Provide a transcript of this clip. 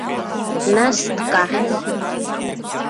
Нас дкаҳаит.